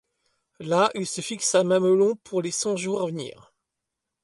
Là, ils se fixent à un mamelon pour les cent jours à venir.